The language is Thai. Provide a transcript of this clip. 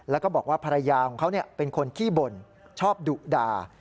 แล้วก็บอกว่าภรรยาของเขาเป็นคนขี้บ่นชอบดุด่า